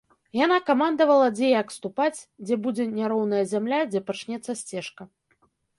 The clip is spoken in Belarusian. Яна камандавала, дзе як ступаць, дзе будзе няроўная зямля, дзе пачнецца сцежка.